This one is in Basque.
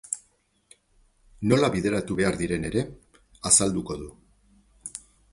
Nola bideratu behar diren ere azalduko du.